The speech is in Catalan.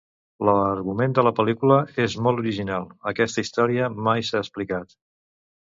L'argument de la pel·lícula és molt original, aquesta història mai s'ha explicat.